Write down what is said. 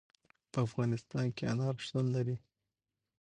په افغانستان کې انار شتون لري.